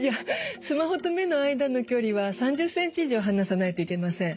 スマホと目の間の距離は３０ｃｍ以上離さないといけません。